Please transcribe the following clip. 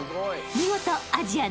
［見事アジア